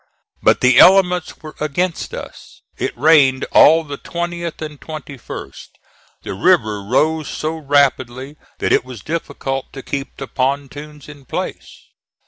But the elements were against us. It rained all the 20th and 21st. The river rose so rapidly that it was difficult to keep the pontoons in place.